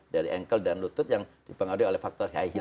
dari ankle dan lutut yang dipengaruhi oleh faktor high heels